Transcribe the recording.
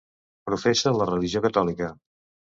Professa la religió catòlica.